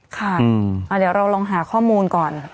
ค่ะเดี๋ยวเราลองหาข้อมูลก่อน